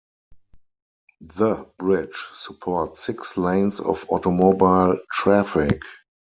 The bridge supports six lanes of automobile traffic.